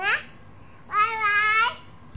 「バイバーイ！」